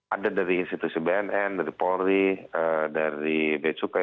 ada dari institusi bnn dari polri dari bia cukai